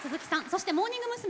そしてモーニング娘。